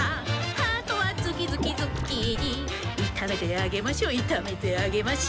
「ハートはズキズキズッキーニ」「いためてあげましょいためてあげましょ」